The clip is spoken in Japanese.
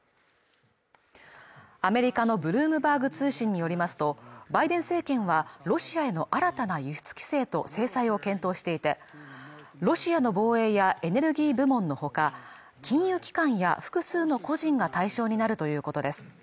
アメリカのブルームバーグ通信によりますとバイデン政権はロシアへの新たな輸出規制と制裁を検討していてロシアの防衛やエネルギー部門のほか金融機関や複数の個人が対象になるということです